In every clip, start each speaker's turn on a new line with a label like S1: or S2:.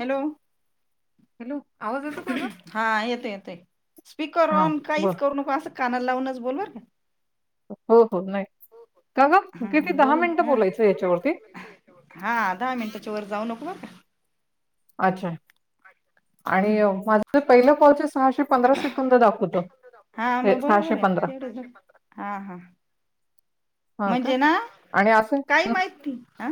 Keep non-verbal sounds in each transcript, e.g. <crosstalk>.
S1: Hello.
S2: Hello आवाज येतो का ग?
S1: हा येते येते स्पीकर
S2: हा
S1: ऑन
S2: बर
S1: काहीच करू नको असं... कानाल लावूनच बोलवर का.
S2: हो हो नाही. अगं
S1: हा
S2: कित दहा
S1: बोल
S2: मिनिटं
S1: ह
S2: बोलायचंय याच्यावरती?
S1: हा दहा मिनिटाच्या वर जाऊ नको बर का
S2: अच्छा, आणि... माझं
S1: आणि अ
S2: पहिलं कॉलचे
S1: माझे
S2: सहाशे
S1: पैसे पण
S2: पंधरा
S1: आहे हं हं ना ते नऊशे
S2: सेकंद दाखवतं
S1: पंधराचं दाखवतंय हा
S2: हे
S1: मग बरोबर
S2: सहाशे
S1: आहे ना
S2: पंधरा
S1: तेवढच दाखव नऊशे पंधरा हा हा
S2: हा का
S1: म्हणजे ना,
S2: आणि असं
S1: काही
S2: हं,
S1: माहिती आ...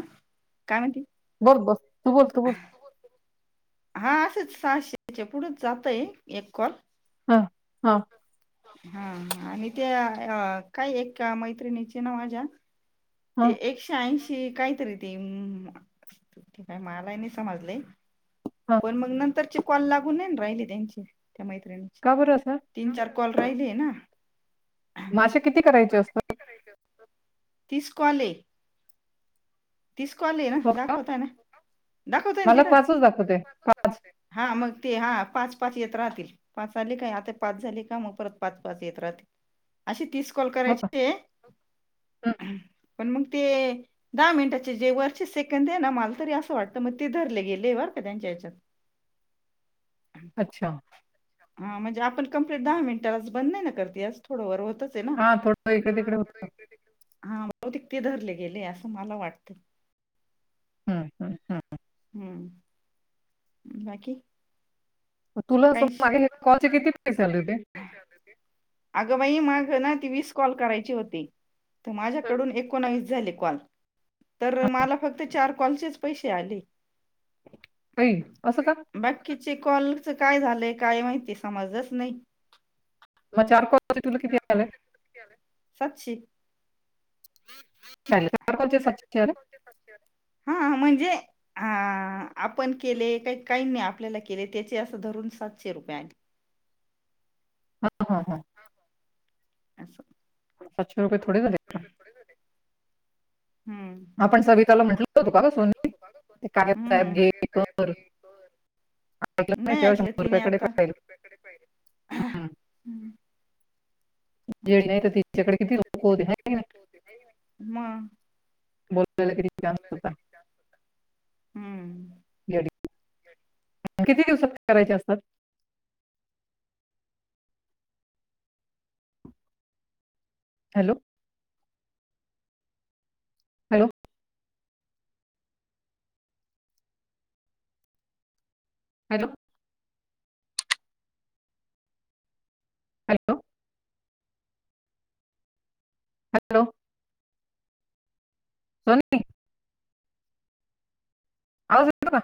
S1: कारण कि बोल बोल तू बोल हा असच सहाशेच्या पुढेचं जातय एक कॉल
S2: ह हा
S1: हा आणि ते अ काय एका मैत्रिणीचे ना माझ्या
S2: हा
S1: ते एकशे ऐंशी... ते काही तरी ते अं ते काय मलाहि नाही समजलंय..
S2: हा
S1: पण मग नंतरचे कॉल लागूनं नाहीना राहिले त्यांचे... त्या मैत्रिणीचे
S2: का बरं असं
S1: तीन चार कॉल राहिलेय ना.
S2: म असे किती करायचे असतात?
S1: अ तीस कॉल... तीस कॉल आहेना
S2: हो का
S1: दाखवतायना... दाखवतय ना तिथं?
S2: पाचच दाखवते
S1: मला दाखवतात ना ते. हा मग ते हा पाच.. पाच येत राहतील, पाच आले काय? आता पाच झाले का मग परत पाच पाच येत राहतील असे तीस.... कॉल
S2: हो का
S1: करायचे हं पण मग ते दहा मिनिटा.... चे जे वरचे सेकंद आहे ना मला तरी असं वाटत मग ते धरले गेले बर का त्यांच्या ह्यच्यात...
S2: अच्छा....
S1: हा म्हणजे आपण कंप्लीट दहा मिनटालाच बंद नाही ना करत हे अस थोड वर हो. तसे ना
S2: थोडं इकडे
S1: हा
S2: तिकडे होत
S1: जरा इकडे तिकडे हा बहुतेक ते धरले गेलय असं मला वाटतय
S2: हम्म हम्म हम्म
S1: हम्म बाकी
S2: मग तुला असं मागे हे कॉलचे किती पैसे आले होते
S1: कुठंहाईस <unintelligible> अगंबाई माग होय ना ती वीस कॉल करायची होती तर
S2: हं.
S1: माझ्याकडून एकोनवीस झाले कॉल तर मला फक्त चार कॉलचेच पैसे आले
S2: बाई असं का
S1: चे कॉलच काय झालंय काय माहिती समजच नाही
S2: मग चार कॉलचे तुला
S1: म
S2: किती
S1: चार
S2: आले
S1: कॉलचं तुझं किती आलंय
S2: हॅलो सतरा कॉलचे सातशे आले
S1: हा म्हणजे हा आपण केले त्यात काही नाही आपल्याला केले त्याचे असं धरून सातशे रुपये आले
S2: हा हा हा
S1: असं
S2: सातशे रुपये थोडे झालेत का?
S1: हम्म
S2: आपण सविताला म्हंटल होतो का गं सोनी ते कागद साहेब
S1: हम्म
S2: घे कर ऐकलं नाही तेव्हा शंभर रुपयाकडे पाहिलं हम्म
S1: हम्म
S2: येडी
S1: हम्म
S2: नाही तर तिच्याकडे किती
S1: एवढ्यात
S2: लोक होते
S1: तिच्याकड
S2: है
S1: किती
S2: की
S1: लोक प पाहिली ना म
S2: बोलवलेलं कधी रिकामा असतोय का
S1: हम्म
S2: गडी किती दिवसात करायचे असतात hello hello hello hello hello Sony आ का